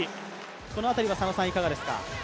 この辺りは佐野さん、いかがですか？